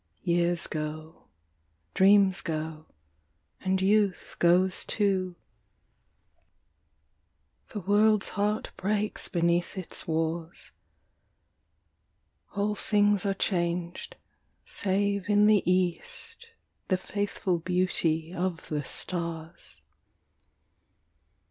Years go, dreams go, and youth goes too, The world's heart breaks beneath its wars, All things are changed, save in the east The faithful beauty of the stars.